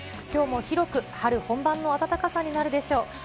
きょうも広く春本番の暖かさになるでしょう。